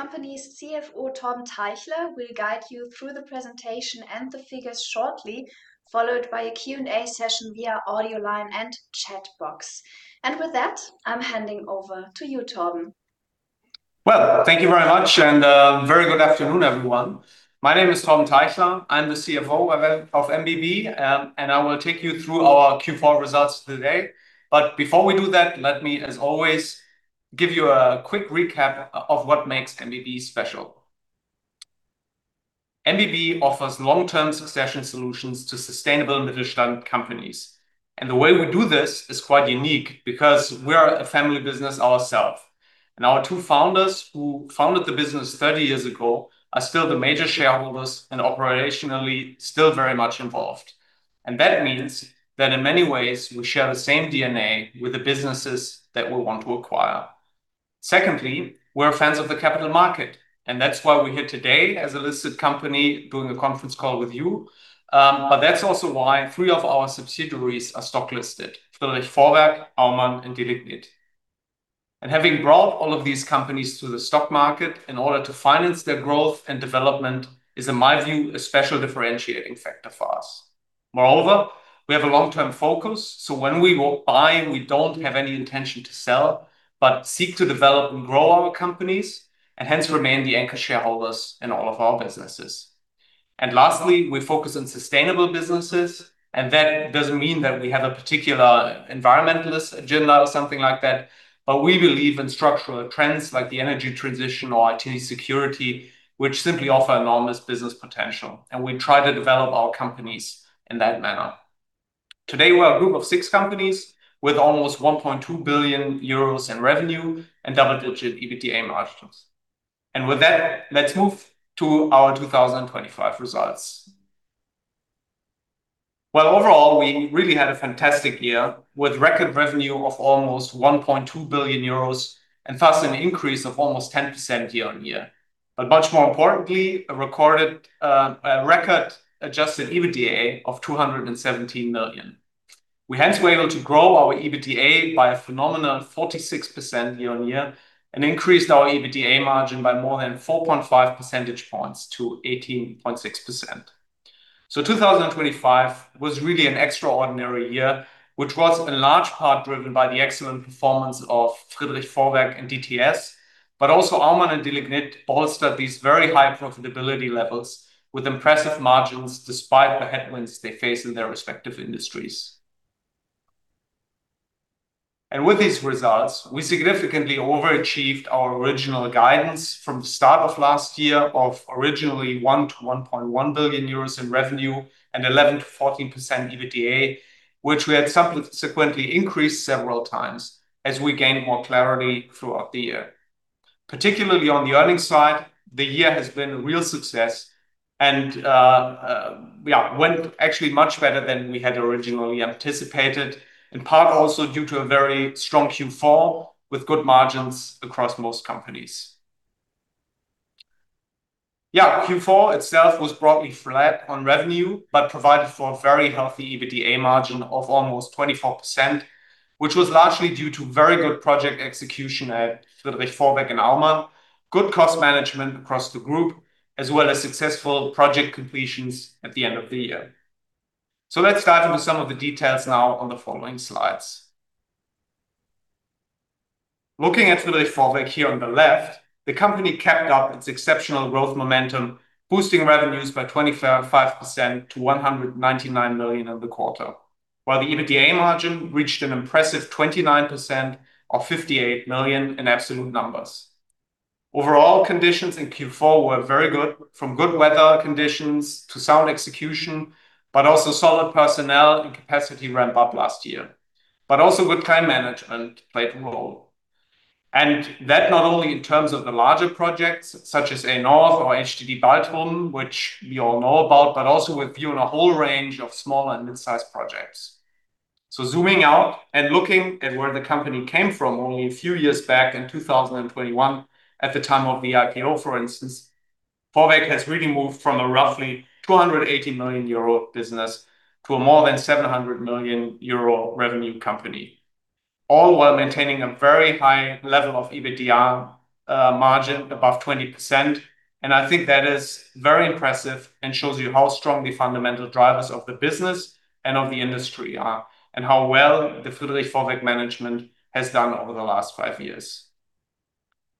Company's CFO, Torben Teichler, will guide you through the presentation and the figures shortly, followed by a Q&A session via audio line and chat box. With that, I'm handing over to you, Torben. Well, thank you very much and very good afternoon, everyone. My name is Torben Teichler. I'm the CFO of MBB, and I will take you through our Q4 results today. Before we do that, let me, as always, give you a quick recap of what makes MBB special. MBB offers long-term succession solutions to sustainable Mittelstand companies. The way we do this is quite unique because we are a family business ourselves, and our two founders, who founded the business 30 years ago, are still the major shareholders and operationally still very much involved. That means that in many ways we share the same DNA with the businesses that we want to acquire. Secondly, we're fans of the capital market, and that's why we're here today as a listed company doing a conference call with you. That's also why three of our subsidiaries are stock listed, Friedrich Vorwerk, Aumann and Delignit. Having brought all of these companies to the stock market in order to finance their growth and development is, in my view, a special differentiating factor for us. Moreover, we have a long-term focus, so when we buy, we don't have any intention to sell, but seek to develop and grow our companies and hence remain the anchor shareholders in all of our businesses. Lastly, we focus on sustainable businesses, and that doesn't mean that we have a particular environmentalist agenda or something like that, but we believe in structural trends like the energy transition or IT security, which simply offer enormous business potential, and we try to develop our companies in that manner. Today, we're a group of six companies with almost 1.2 billion euros in revenue and double-digit EBITDA margins. With that, let's move to our 2025 results. Well, overall, we really had a fantastic year with record revenue of almost 1.2 billion euros, and thus an increase of almost 10% year-on-year. Much more importantly, a record adjusted EBITDA of 217 million. We hence were able to grow our EBITDA by a phenomenal 46% year-on-year and increased our EBITDA margin by more than 4.5 percentage points to 18.6%. 2025 was really an extraordinary year, which was in large part driven by the excellent performance of Friedrich Vorwerk and DTS, but also Aumann and Delignit bolstered these very high profitability levels with impressive margins despite the headwinds they face in their respective industries. With these results, we significantly overachieved our original guidance from the start of last year of originally 1 billion-1.1 billion euros in revenue and 11%-14% EBITDA, which we had subsequently increased several times as we gained more clarity throughout the year. Particularly on the earnings side, the year has been a real success and went actually much better than we had originally anticipated, in part also due to a very strong Q4 with good margins across most companies. Q4 itself was broadly flat on revenue, but provided for a very healthy EBITDA margin of almost 24%, which was largely due to very good project execution at Friedrich Vorwerk and Aumann, good cost management across the group, as well as successful project completions at the end of the year. Let's dive into some of the details now on the following slides. Looking at Friedrich Vorwerk here on the left, the company kept up its exceptional growth momentum, boosting revenues by 25% to 199 million in the quarter, while the EBITDA margin reached an impressive 29% of 58 million in absolute numbers. Overall conditions in Q4 were very good, from good weather conditions to sound execution, but also solid personnel and capacity ramp up last year. Also good time management played a role. That not only in terms of the larger projects such as A-Nord or NordBalt, which we all know about, but also with viewing a whole range of small and mid-sized projects. Zooming out and looking at where the company came from only a few years back in 2021, at the time of the IPO, for instance, Vorwerk has really moved from a roughly 280 million euro business to a more than 700 million euro revenue company, all while maintaining a very high level of EBITDA margin above 20%. I think that is very impressive and shows you how strong the fundamental drivers of the business and of the industry are and how well the Friedrich Vorwerk management has done over the last five years.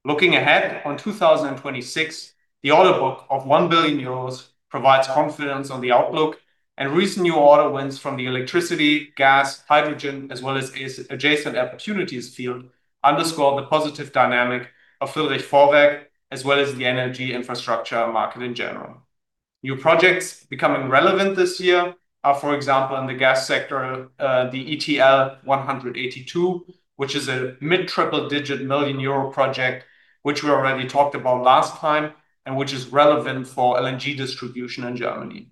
Looking ahead to 2026, the order book of 1 billion euros provides confidence on the outlook, and recent new order wins from the electricity, gas, hydrogen, as well as its adjacent opportunities field underscore the positive dynamic of Friedrich Vorwerk, as well as the energy infrastructure market in general. New projects becoming relevant this year are, for example, in the gas sector, the ETL 182, which is a mid-triple-digit million euro project, which we already talked about last time, and which is relevant for LNG distribution in Germany.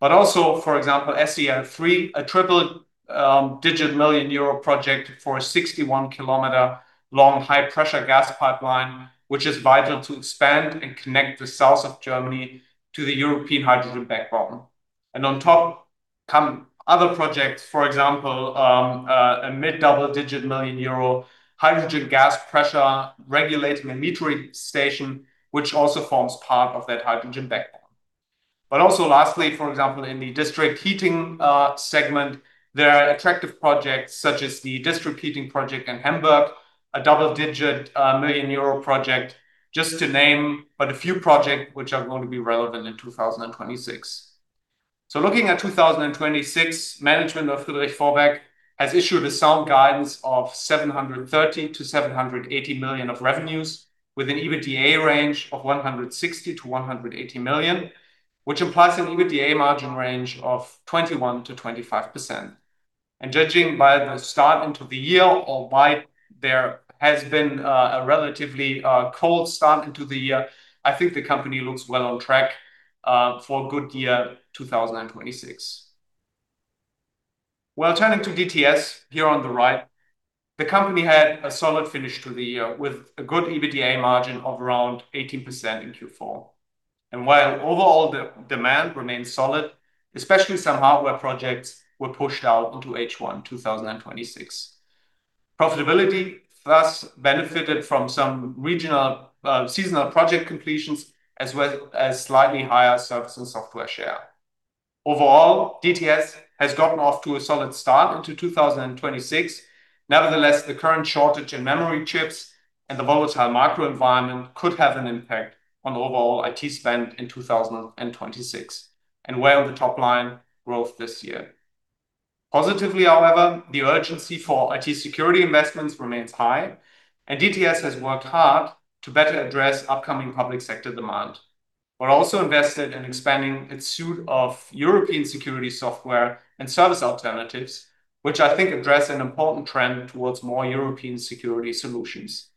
Also, for example, SEL 3, a triple-digit million euro project for a 61 km long high-pressure gas pipeline, which is vital to expand and connect the south of Germany to the European Hydrogen Backbone. On top come other projects, for example, a mid-double digit million EUR hydrogen gas pressure regulating and metering station, which also forms part of that hydrogen backbone. Also lastly, for example, in the district heating segment, there are attractive projects such as the district heating project in Hamburg, a double-digit million euro project, just to name but a few projects which are going to be relevant in 2026. Looking at 2026, management of Friedrich Vorwerk has issued a sound guidance of 730 million-780 million of revenues with an EBITDA range of 160 million-180 million, which implies an EBITDA margin range of 21%-25%. Judging by the start into the year, there has been a relatively cold start into the year. I think the company looks well on track for a good year, 2026. Well, turning to DTS here on the right, the company had a solid finish to the year with a good EBITDA margin of around 18% in Q4. While overall demand remained solid, especially some hardware projects were pushed out into H1 2026. Profitability thus benefited from some regional seasonal project completions as well as slightly higher service and software share. Overall, DTS has gotten off to a solid start into 2026. Nevertheless, the current shortage in memory chips and the volatile macro environment could have an impact on overall IT spend in 2026 and weigh on the top line growth this year. Positively, however, the urgency for IT security investments remains high, and DTS has worked hard to better address upcoming public sector demand. We're also invested in expanding its suite of European security software and service alternatives, which I think address an important trend towards more European security solutions.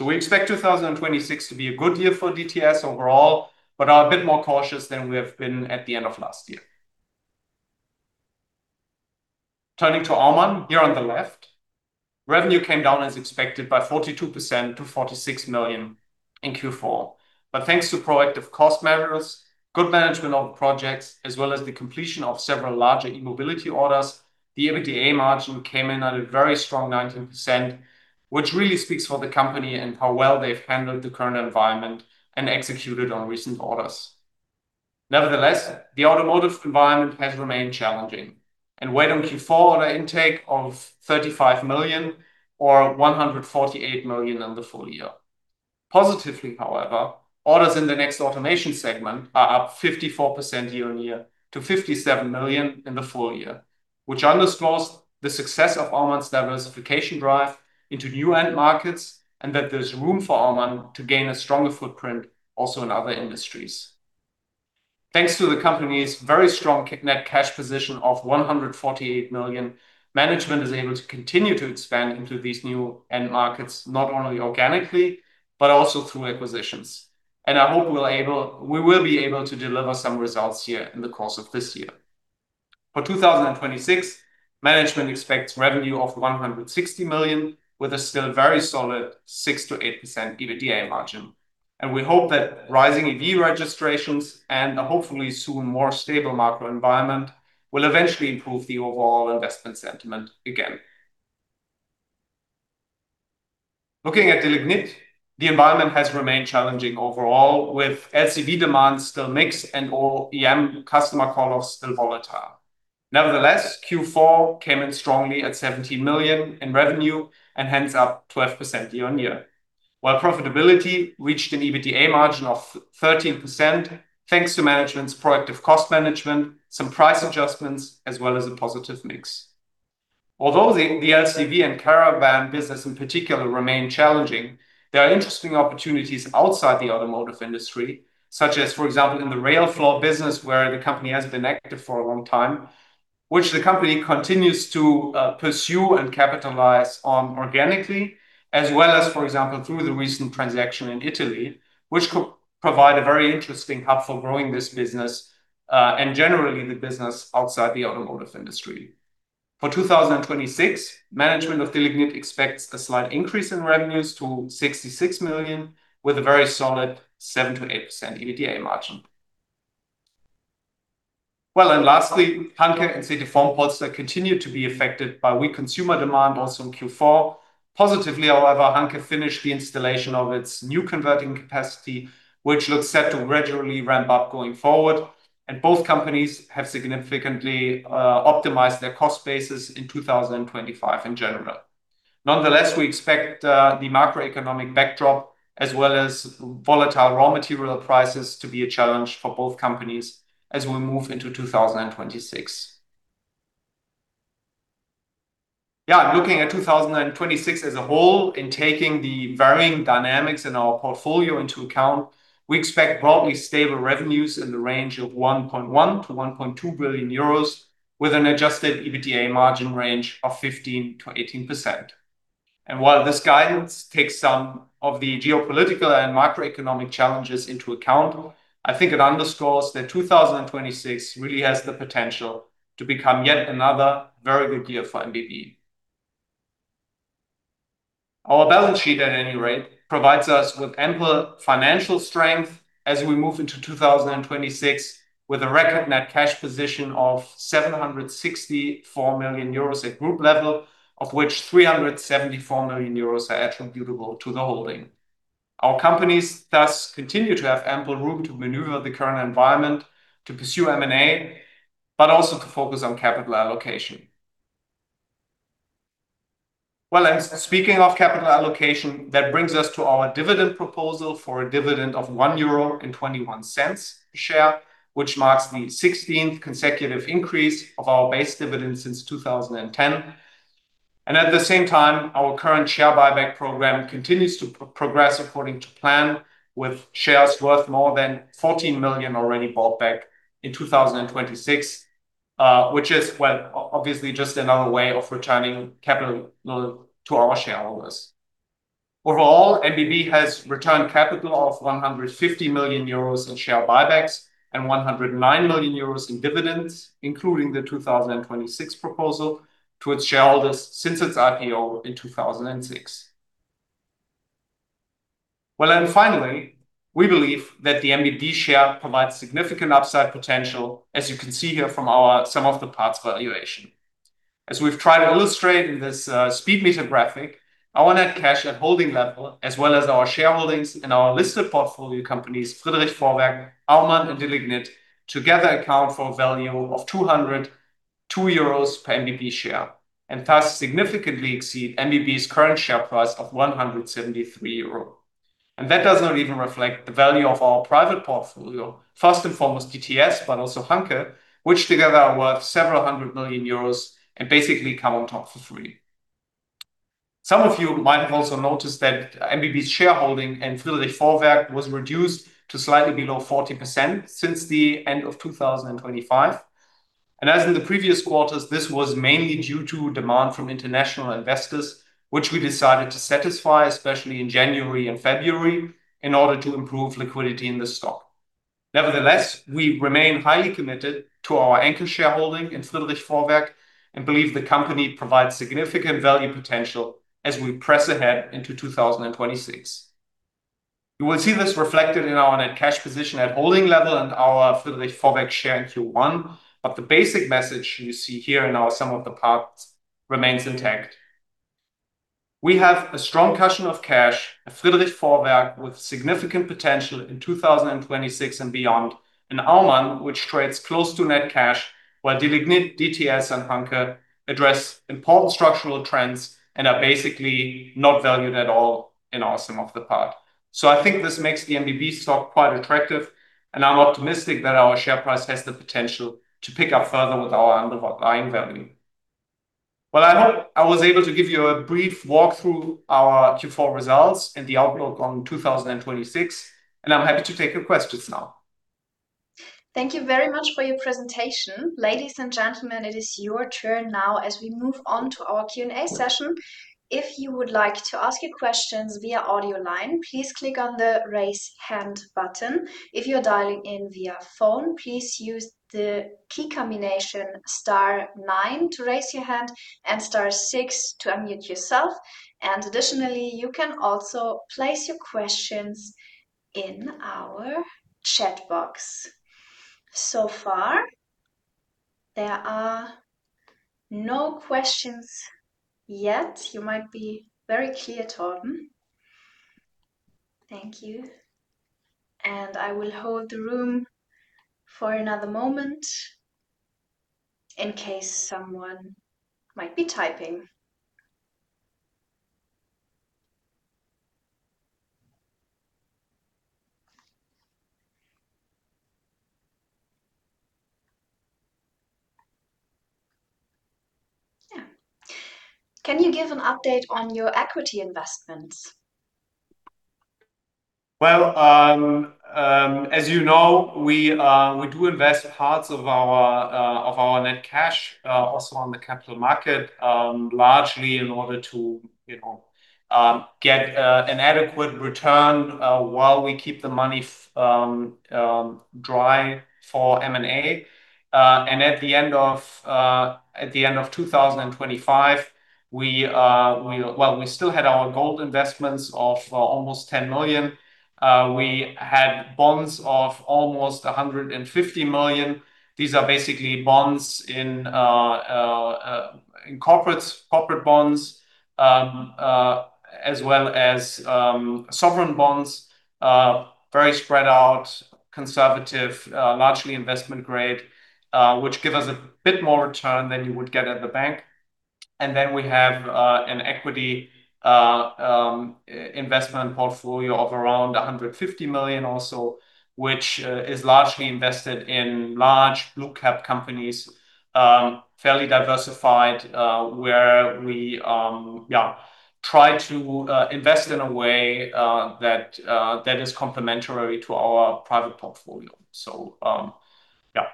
We expect 2026 to be a good year for DTS overall, but are a bit more cautious than we have been at the end of last year. Turning to Aumann here on the left, revenue came down as expected by 42% to 46 million in Q4. Thanks to proactive cost measures, good management of projects, as well as the completion of several larger e-mobility orders, the EBITDA margin came in at a very strong 19%, which really speaks for the company and how well they've handled the current environment and executed on recent orders. Nevertheless, the automotive environment has remained challenging. Weighed on Q4 order intake of 35 million or 148 million in the full year. Positively, however, orders in the non-automotive segment are up 54% year-on-year to 57 million in the full year, which underscores the success of Aumann's diversification drive into new end markets and that there's room for Aumann to gain a stronger footprint also in other industries. Thanks to the company's very strong net cash position of 148 million, management is able to continue to expand into these new end markets, not only organically, but also through acquisitions. I hope we will be able to deliver some results here in the course of this year. For 2026, management expects revenue of 160 million, with a still very solid 6%-8% EBITDA margin. We hope that rising EV registrations and a hopefully soon more stable macro environment will eventually improve the overall investment sentiment again. Looking at Delignit, the environment has remained challenging overall, with LCV demand still mixed and OEM customer call-offs still volatile. Nevertheless, Q4 came in strongly at 17 million in revenue and hence up 12% year-on-year. While profitability reached an EBITDA margin of 13%, thanks to management's proactive cost management, some price adjustments, as well as a positive mix. Although the LCV and caravan business in particular remain challenging, there are interesting opportunities outside the automotive industry, such as, for example, in the rail floor business, where the company has been active for a long time, which the company continues to pursue and capitalize on organically, as well as, for example, through the recent transaction in Italy, which could provide a very interesting hub for growing this business, and generally the business outside the automotive industry. For 2026, management of Delignit expects a slight increase in revenues to 66 million, with a very solid 7%-8% EBITDA margin. Well, and lastly, Hanke and CT Formpolster continue to be affected by weak consumer demand also in Q4. Positively, however, Hanke finished the installation of its new converting capacity, which looks set to gradually ramp up going forward. Both companies have significantly optimized their cost bases in 2025 in general. Nonetheless, we expect the macroeconomic backdrop as well as volatile raw material prices to be a challenge for both companies as we move into 2026. Looking at 2026 as a whole and taking the varying dynamics in our portfolio into account, we expect broadly stable revenues in the range of 1.1 billion-1.2 billion euros, with an adjusted EBITDA margin range of 15%-18%. While this guidance takes some of the geopolitical and macroeconomic challenges into account, I think it underscores that 2026 really has the potential to become yet another very good year for MBB. Our balance sheet, at any rate, provides us with ample financial strength as we move into 2026, with a record net cash position of 764 million euros at group level, of which 374 million euros are attributable to the holding. Our companies thus continue to have ample room to maneuver the current environment, to pursue M&A, but also to focus on capital allocation. Well, and speaking of capital allocation, that brings us to our dividend proposal for a dividend of 1.21 euro a share, which marks the 16th consecutive increase of our base dividend since 2010. At the same time, our current share buyback program continues to progress according to plan, with shares worth more than 14 million already bought back in 2026, which is, well, obviously just another way of returning capital, you know, to our shareholders. Overall, MBB has returned capital of 150 million euros in share buybacks and 109 million euros in dividends, including the 2026 proposal, to its shareholders since its IPO in 2006. Well then finally, we believe that the MBB share provides significant upside potential, as you can see here from our sum of the parts valuation. As we've tried to illustrate in this, speedometer graphic, our net cash at holding level, as well as our shareholdings in our listed portfolio companies, Friedrich Vorwerk, Aumann, and Delignit, together account for a value of 202 euros per MBB share, and thus significantly exceed MBB's current share price of 173 euros. That does not even reflect the value of our private portfolio, first and foremost DTS, but also Hanke, which together are worth several hundred million euros and basically come on top for free. Some of you might have also noticed that MBB's shareholding in Friedrich Vorwerk was reduced to slightly below 40% since the end of 2025. As in the previous quarters, this was mainly due to demand from international investors, which we decided to satisfy, especially in January and February, in order to improve liquidity in the stock. Nevertheless, we remain highly committed to our anchor shareholding in Friedrich Vorwerk and believe the company provides significant value potential as we press ahead into 2026. You will see this reflected in our net cash position at holding level and our Friedrich Vorwerk share in Q1. The basic message you see here in our sum of the parts remains intact. We have a strong cushion of cash, a Friedrich Vorwerk with significant potential in 2026 and beyond, and Aumann, which trades close to net cash, while Delignit, DTS, and Hanke address important structural trends and are basically not valued at all in our sum of the parts. I think this makes the MBB stock quite attractive, and I'm optimistic that our share price has the potential to pick up further with our underlying value. Well, I hope I was able to give you a brief walkthrough of our Q4 results and the outlook on 2026, and I'm happy to take your questions now. Thank you very much for your presentation. Ladies and gentlemen, it is your turn now as we move on to our Q&A session. If you would like to ask your questions via audio line, please click on the Raise Hand button. If you are dialing in via phone, please use the key combination star nine to raise your hand and star six to unmute yourself. Additionally, you can also place your questions in our chat box. So far, there are no questions yet. You made it very clear, Torben. Thank you. I will hold the room for another moment in case someone might be typing. Yeah. Can you give an update on your equity investments? Well, as you know, we do invest parts of our net cash also on the capital market, largely in order to, you know, get an adequate return while we keep the money dry for M&A. At the end of 2025, we still had our gold investments of almost 10 million. We had bonds of almost 150 million. These are basically bonds in corporates, corporate bonds, as well as sovereign bonds, very spread out, conservative, largely investment grade, which give us a bit more return than you would get at the bank. We have an equity investment portfolio of around 150 million also, which is largely invested in large blue-chip companies, fairly diversified, where we try to invest in a way that is complementary to our private portfolio.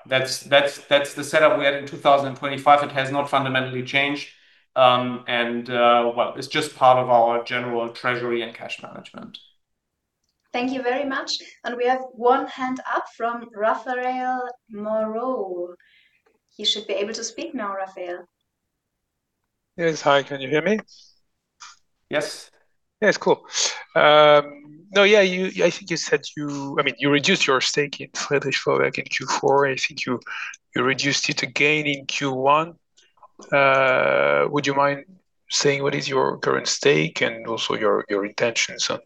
That's the setup we had in 2025. It has not fundamentally changed. It's just part of our general treasury and cash management. Thank you very much. We have one hand up from Raphaël Moreau. You should be able to speak now, Raphaël. Yes. Hi, can you hear me? Yes. Yes. Cool. No, yeah, I think you said, I mean, you reduced your stake in Friedrich Vorwerk in Q4. I think you reduced it again in Q1. Would you mind saying what is your current stake and also your intentions on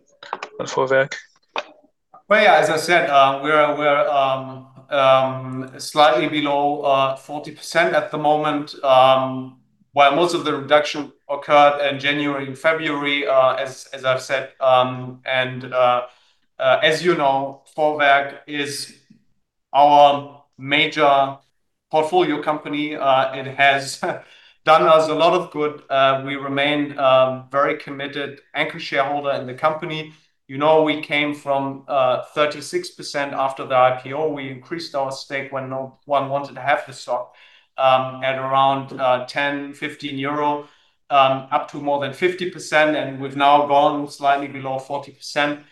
Vorwerk? Well, yeah, as I said, we're slightly below 40% at the moment. While most of the reduction occurred in January and February, as I've said. As you know, Vorwerk is our major portfolio company. It has done us a lot of good. We remain very committed anchor shareholder in the company. You know, we came from 36% after the IPO. We increased our stake when no one wanted to have the stock at around 10 euro, 15 euro up to more than 50%, and we've now gone slightly below 40%.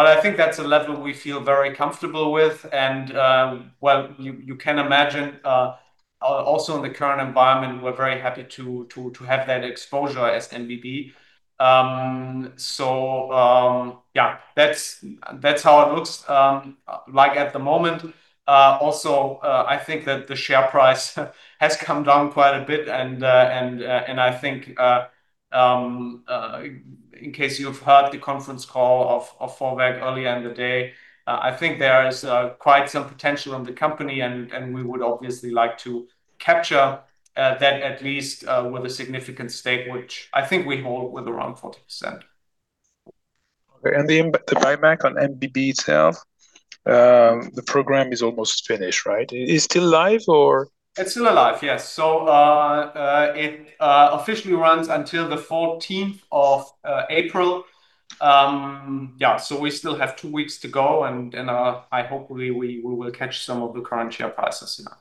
I think that's a level we feel very comfortable with and you can imagine also in the current environment, we're very happy to have that exposure as MBB. Yeah. That's how it looks like at the moment. Also, I think that the share price has come down quite a bit and I think in case you've heard the conference call of Vorwerk earlier in the day, I think there is quite some potential in the company and we would obviously like to capture that at least with a significant stake, which I think we hold with around 40%. Okay. The buyback on MBB itself, the program is almost finished, right? It's still live or? It's still alive, yes. It officially runs until the 14th of April. We still have two weeks to go and I hope we will catch some of the current share prices, you know.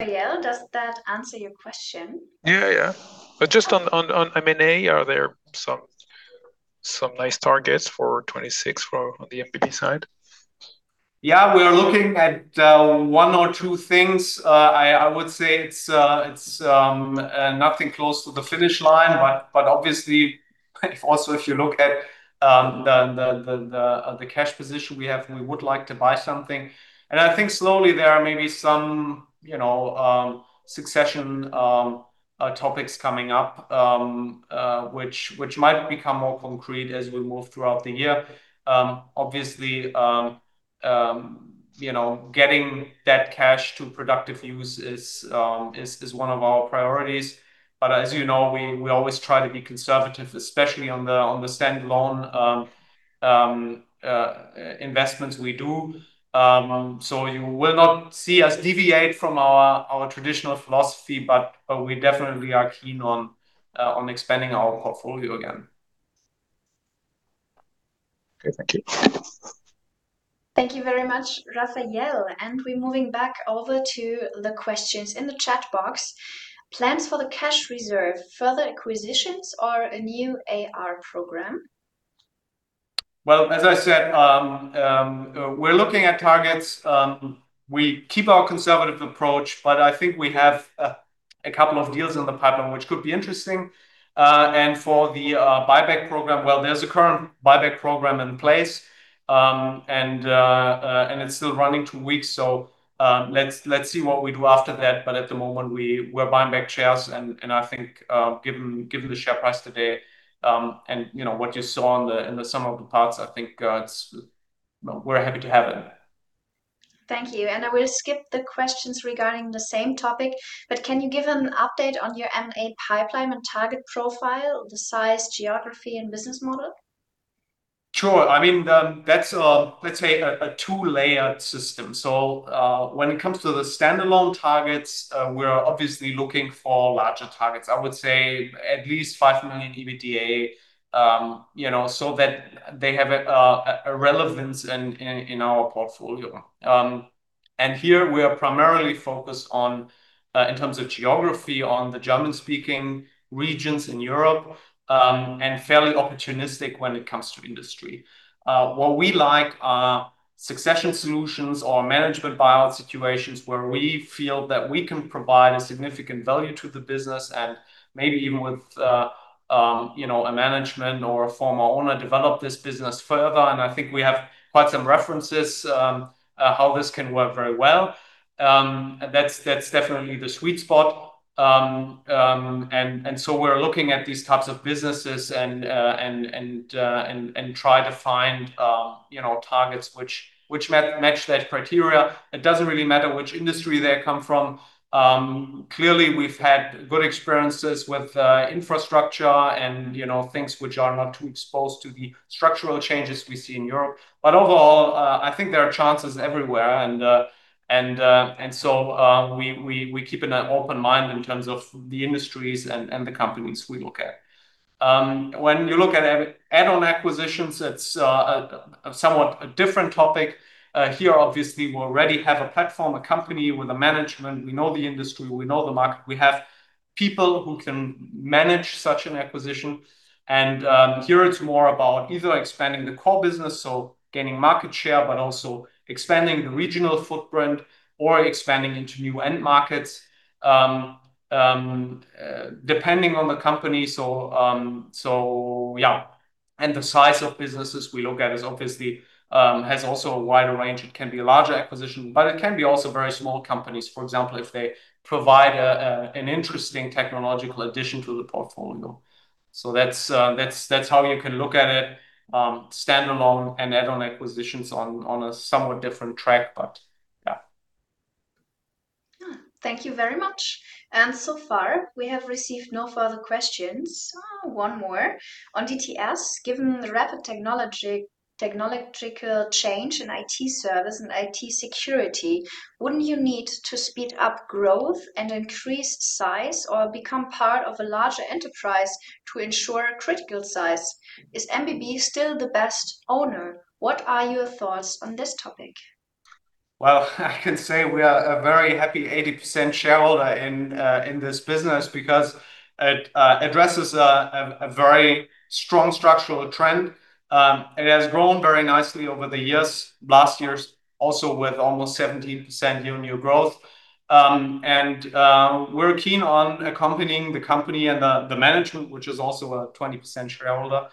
Raphaël, does that answer your question? Just on M&A, are there some nice targets for 2026 on the MBB side? Yeah. We are looking at one or two things. I would say it's nothing close to the finish line, but obviously, also if you look at the cash position we have, we would like to buy something. I think slowly there are maybe some, you know, succession topics coming up, which might become more concrete as we move throughout the year. Obviously, you know, getting that cash to productive use is one of our priorities. As you know, we always try to be conservative, especially on the standalone investments we do. You will not see us deviate from our traditional philosophy, but we definitely are keen on expanding our portfolio again. Okay. Thank you. Thank you very much, Raphaël. We're moving back over to the questions in the chat box. Plans for the cash reserve, further acquisitions or a new AR program? Well, as I said, we're looking at targets. We keep our conservative approach, but I think we have a couple of deals in the pipeline which could be interesting. For the buyback program, well, there's a current buyback program in place. It's still running two weeks. Let's see what we do after that. At the moment, we're buying back shares and I think, given the share price today, and you know, what you saw in the sum of the parts, I think, we're happy to have it. Thank you. I will skip the questions regarding the same topic, but can you give an update on your M&A pipeline and target profile, the size, geography and business model? Sure. I mean, that's, let's say, a two-layered system. When it comes to the standalone targets, we're obviously looking for larger targets. I would say at least 5 million EBITDA, you know, so that they have a relevance in our portfolio. Here we are primarily focused on, in terms of geography, on the German-speaking regions in Europe, and fairly opportunistic when it comes to industry. What we like are succession solutions or management buyout situations where we feel that we can provide a significant value to the business and maybe even with, you know, a management or a former owner develop this business further. I think we have quite some references, how this can work very well. That's definitely the sweet spot. We're looking at these types of businesses and try to find, you know, targets which match that criteria. It doesn't really matter which industry they come from. Clearly, we've had good experiences with infrastructure and, you know, things which are not too exposed to the structural changes we see in Europe. Overall, I think there are chances everywhere and we keep an open mind in terms of the industries and the companies we look at. When you look at add-on acquisitions, it's a somewhat different topic. Here, obviously we already have a platform, a company with a management. We know the industry, we know the market. We have people who can manage such an acquisition. Here it's more about either expanding the core business, so gaining market share, but also expanding the regional footprint or expanding into new end markets. Depending on the company. Yeah. The size of businesses we look at is obviously has also a wider range. It can be a larger acquisition, but it can be also very small companies, for example, if they provide an interesting technological addition to the portfolio. That's how you can look at it, standalone and add-on acquisitions on a somewhat different track, but yeah. Yeah. Thank you very much. So far, we have received no further questions. One more. On DTS, given the rapid technological change in IT service and IT security, wouldn't you need to speed up growth and increase size or become part of a larger enterprise to ensure critical size? Is MBB still the best owner? What are your thoughts on this topic? Well, I can say we are a very happy 80% shareholder in this business because it addresses a very strong structural trend. It has grown very nicely over the years, last years also with almost 17% year-on-year growth. We're keen on accompanying the company and the management, which is also a 20% shareholder,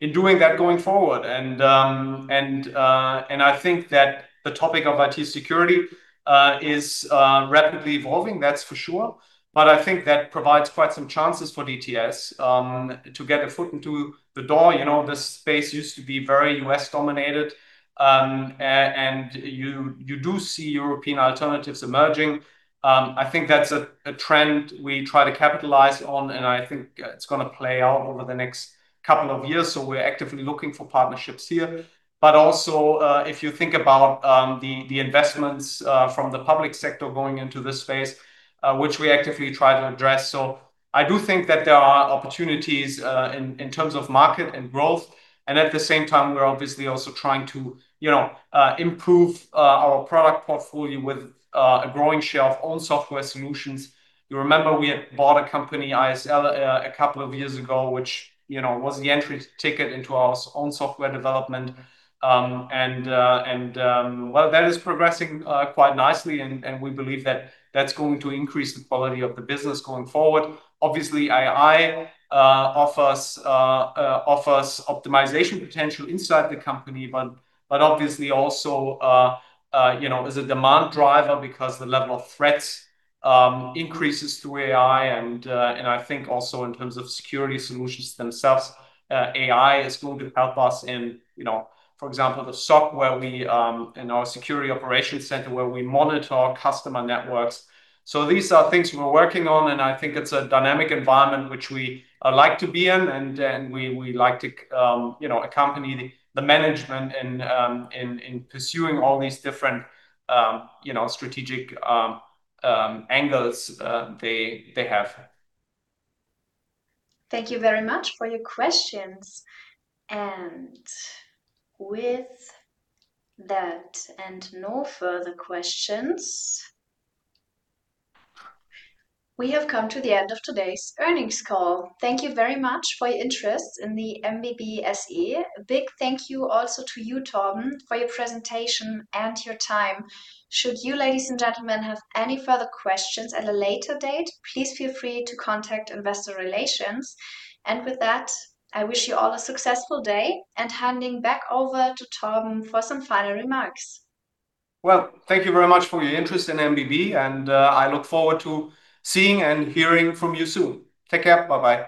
in doing that going forward. I think that the topic of IT security is rapidly evolving, that's for sure. I think that provides quite some chances for DTS to get a foot into the door. You know, this space used to be very U.S. dominated. You do see European alternatives emerging. I think that's a trend we try to capitalize on, and I think it's going to play out over the next couple of years, so we're actively looking for partnerships here. Also, if you think about the investments from the public sector going into this space, which we actively try to address. I do think that there are opportunities in terms of market and growth. At the same time, we're obviously also trying to, you know, improve our product portfolio with a growing share on software solutions. You remember we had bought a company, ISL, a couple of years ago, which, you know, was the entry ticket into our own software development. Well, that is progressing quite nicely and we believe that that's going to increase the quality of the business going forward. Obviously, AI offers optimization potential inside the company, but obviously also, you know, as a demand driver because the level of threats increases through AI and I think also in terms of security solutions themselves, AI is going to help us, you know, for example, in the SOC in our security operations center where we monitor our customer networks. These are things we're working on, and I think it's a dynamic environment which we like to be in and we like to, you know, accompany the management in pursuing all these different, you know, strategic angles they have. Thank you very much for your questions. With that, and no further questions, we have come to the end of today's earnings call. Thank you very much for your interest in the MBB SE. A big thank you also to you, Torben, for your presentation and your time. Should you, ladies and gentlemen, have any further questions at a later date, please feel free to contact investor relations. With that, I wish you all a successful day. Handing back over to Torben for some final remarks. Well, thank you very much for your interest in MBB, and I look forward to seeing and hearing from you soon. Take care. Bye-bye.